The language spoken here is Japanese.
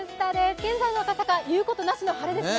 現在の赤坂、いうことなしの晴れですね。